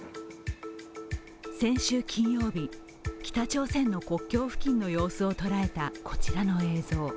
先週金曜日、北朝鮮の国境付近の様子をとらえたこちらの映像。